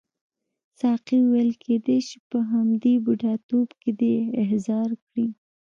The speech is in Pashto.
ساقي وویل کیدای شي په همدې بوډاتوب کې دې احضار کړي.